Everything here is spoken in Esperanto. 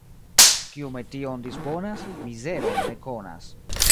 Kiu metion disponas, mizeron ne konas.